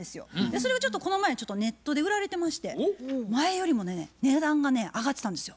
それがちょっとこの前ネットで売られてまして前よりもね値段がね上がってたんですよ。